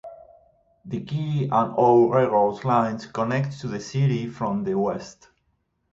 The K and O Railroad line connects to the city from the west.